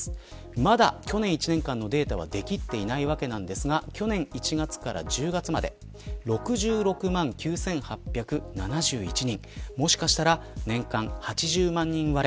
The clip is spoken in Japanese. まだ、去年１年間のデータは出きっていないわけなんですが去年１月から１０月まで６６万９８７１人もしかしたら年間８０万人割れ